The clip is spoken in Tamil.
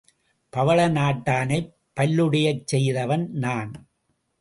பவள நாட்டானைப் பல்லுடையச் செய்தவன் நான்.